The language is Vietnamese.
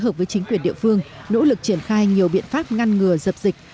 phối hợp với chính quyền địa phương nỗ lực triển khai nhiều biện pháp ngăn ngừa dập dịch